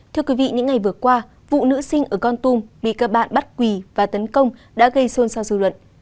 thưa quý vị những ngày vừa qua vụ nữ sinh ở con tum bị các bạn bắt quỳ và tấn công đã gây xôn xao dư luận